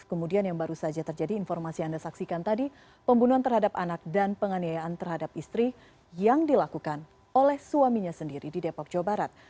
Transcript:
kemudian yang baru saja terjadi informasi yang anda saksikan tadi pembunuhan terhadap anak dan penganiayaan terhadap istri yang dilakukan oleh suaminya sendiri di depok jawa barat